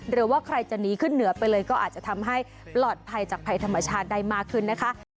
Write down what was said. หรือว่าใครจะหนีขึ้นเหนือไปเลยก็อาจจะทำให้ปลอดภัยจากภัยธรรมชาติได้มากขึ้นนะคะ